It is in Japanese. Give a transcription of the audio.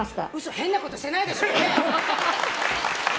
変なことしてないでしょうね？